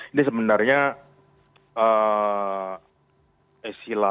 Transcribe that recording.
ini sebenarnya istilahnya suatu